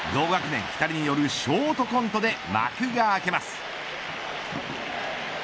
同学年２人によるショートコントで幕が開けます。